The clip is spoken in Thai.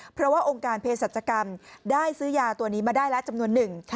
เพราะว่าองค์การเพศสัจกรรมได้ซื้อยาตัวนี้มาได้แล้วจำนวนหนึ่ง